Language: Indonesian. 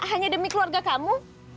hanya demi keluarga kamu